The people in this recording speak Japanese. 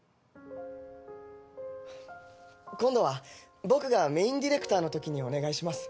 今度は僕がメインディレクターのときにお願いします。